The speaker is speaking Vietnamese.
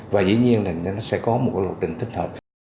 và dĩ nhiên là nó sẽ có một cái lộ trình thích hợp